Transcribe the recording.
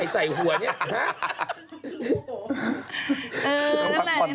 เน่นจิผัดผ่อนบ้างแล้วถ้าแกเอาไข่ใส่หัวนี่